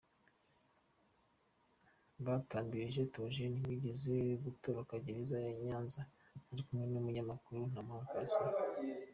-Batambirije Théogène wigeze gutoroka gereza ya Nyanza ari kumwe n’umunyamakuru Ntamuhanga Cassien